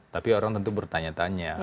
tapi orang tentu bertanya tanya